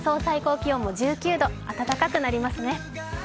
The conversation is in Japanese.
最高気温も１９度暖かくなりますね。